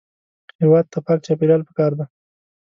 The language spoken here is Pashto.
هېواد ته پاک چاپېریال پکار دی